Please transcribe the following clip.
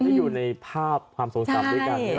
จะอยู่ในภาพความพูดจรากำด้วยกันใช่มั้ย